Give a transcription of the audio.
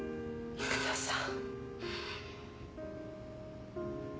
育田さん。